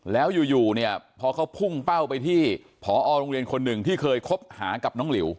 แล้วอยู่เนี่ยพอเขาพุ่งเป้าไปที่ผอโรงเรียนคนหนึ่งที่เคยคบหากับน้องหลิว